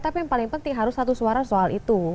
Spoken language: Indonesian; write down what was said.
tapi yang paling penting harus satu suara soal itu